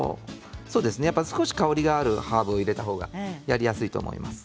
少し香りのあるハーブを入れた方がやりやすいと思います。